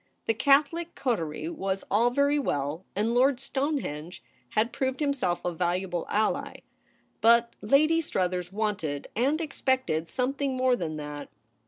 The Catholic coterie was all very well, and Lord Stonehenge had proved himself a valuable ally ; but Lady Struthers wanted and expected something more than that.